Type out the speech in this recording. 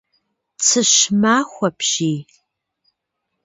Цыщ махуэ апщий.